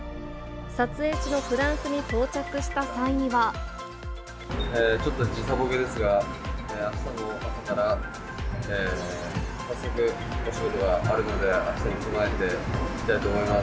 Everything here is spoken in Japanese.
撮影地のフランスに到着した際にちょっと時差ボケですが、あしたも朝から早速、お仕事があるので、あしたに備えていきたいと思います。